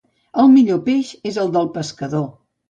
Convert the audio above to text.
El millor peix és el del pescador.